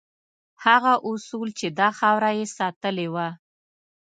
هغه اصول چې دا خاوره یې ساتلې وه.